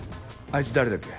あいつ誰だっけ？